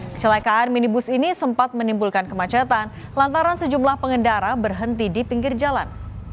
kecelakaan minibus ini sempat menimbulkan kemacetan lantaran sejumlah pengendara berhenti di pinggir jalan